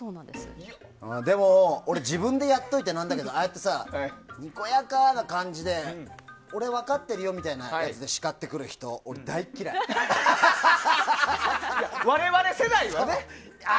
でも、俺自分でやっといてなんだけどああやってにこやかな感じで俺分かってるよみたいな感じで叱ってくる人我々世代はね。